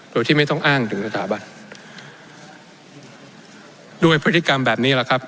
โดยที่ไม่ต้องอ้างถึงสถาบันด้วยพฤติกรรมแบบนี้แหละครับ